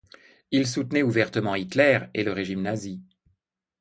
Il soutenait ouvertement Hitler et le régime nazi.